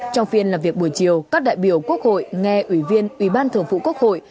trong phiên làm việc buổi chiều các đại biểu quốc hội nghe ủy viên ủy ban thường vụ quốc hội